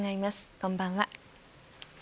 こんばんは。